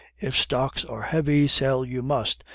If stocks are heavy, sell you must.